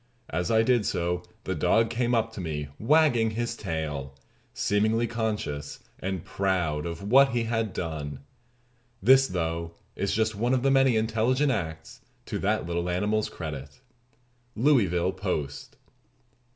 As I did so the dog came up to me wagging his tail, seemingly conscious and proud of what he had done. This, though, is just one of the many intelligent acts to that little animal's credit." _Louisville Post.